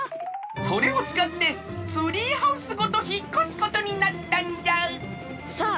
それをつかってツリーハウスごとひっこすことになったんじゃさあ